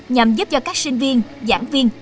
nhằm giúp cho các sinh viên giảng viên